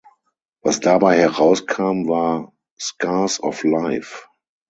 Was dabei herauskam, war "Scars of Life".